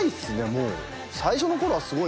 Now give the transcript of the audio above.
もう。